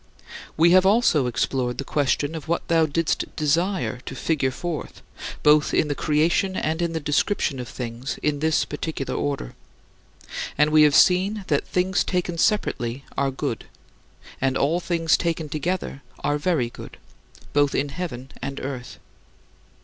We have also explored the question of what thou didst desire to figure forth, both in the creation and in the description of things in this particular order. And we have seen that things taken separately are good, and all things taken together are very good, both in heaven and earth.